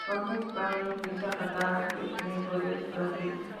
Jeong Jeong dice a Katara que tiene poderes curativos.